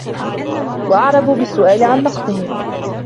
وَأَعْرَبُوا بِالسُّؤَالِ عَنْ نَقْصِهِمْ